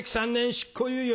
執行猶予